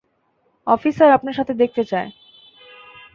Officer আপনার সাথে দেখতে চায়।